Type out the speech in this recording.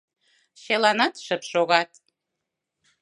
Чыланат шып шогат.